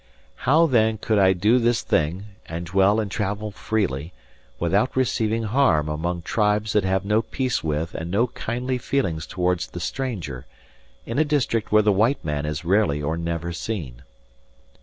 How, then, could I do this thing, and dwell and travel freely, without receiving harm, among tribes that have no peace with and no kindly feelings towards the stranger, in a district where the white man is rarely or never seen?